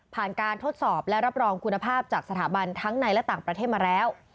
การทดสอบและรับรองคุณภาพจากสถาบันทั้งในและต่างประเทศมาแล้ว